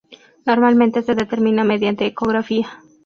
Normalmente se determina mediante ecografía.